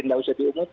tidak usah diunggah